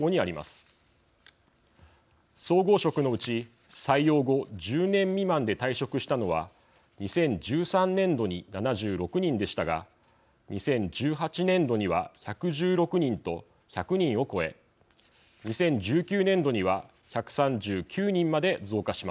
総合職のうち採用後１０年未満で退職したのは２０１３年度に７６人でしたが２０１８年度には１１６人と１００人を超え２０１９年度には１３９人まで増加しました。